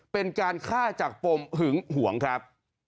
เป็นการฆ่าจากปมหึงหวงครับ